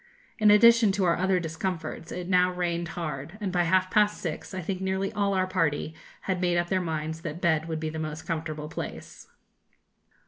In addition to our other discomforts, it now rained hard; and by half past six I think nearly all our party had made up their minds that bed would be the most comfortable place.